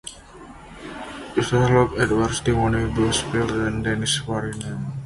It stars Luke Edwards, Timothy Busfield, and Dennis Farina.